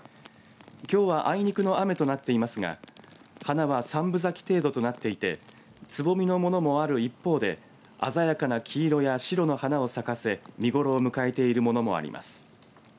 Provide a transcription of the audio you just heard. きょうはあいにくの雨となっていますが花は３分咲き程度となっていてつぼみのものもある一方で鮮やかな黄色や白の花を咲かせ見頃を迎えているものもあります。